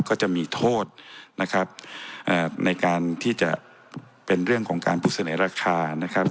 ก็จะมีโทษนะครับในการที่จะเป็นเรื่องของการผู้เสนอราคานะครับ